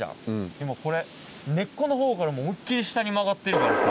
でもこれ根っこのほうから思い切り下に曲がってるからさ。